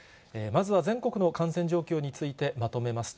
まずは全国の感染状況についてまとめます。